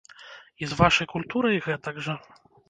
І з вашай культурай гэтак жа.